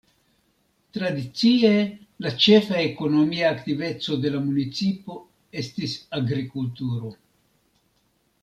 Tradicie la ĉefa ekonomia aktiveco de la municipo estis agrikulturo.